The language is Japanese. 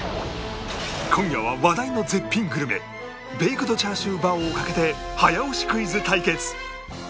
今夜は話題の絶品グルメベイクドチャーシューバオをかけて早押しクイズ対決！